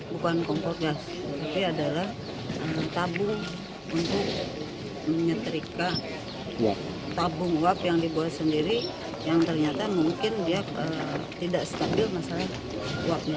bukan kompor gas tapi adalah tabung untuk menyetrika tabung uap yang dibuat sendiri yang ternyata mungkin dia tidak stabil masalah uapnya